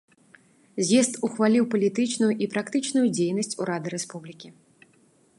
З'езд ухваліў палітычную і практычную дзейнасць урада рэспублікі.